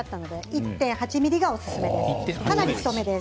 １．８ｍｍがおすすめかなり太めです。